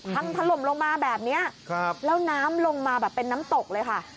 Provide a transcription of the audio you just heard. พังถล่มลงมาแบบนี้แล้วน้ำลงมาแบบเป็นน้ำตกเลยค่ะ